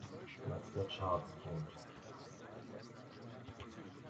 Platz der Charts.